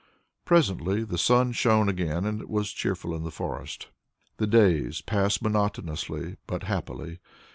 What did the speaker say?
Presently the sun shone again and it was cheerful in the forest. The days passed monotonously but happily.